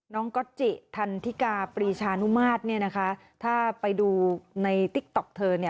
ก๊อตจิทันทิกาปรีชานุมาตรถ้าไปดูในติ๊กต๊อกเธอเนี่ย